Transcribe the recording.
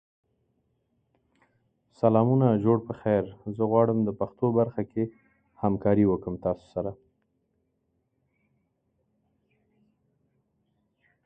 The town was named for the natural surroundings.